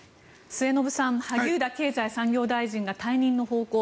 末延さん萩生田経済産業大臣が退任の方向